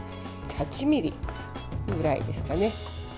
８ｍｍぐらいですかね。